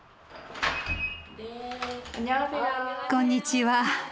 こんにちは。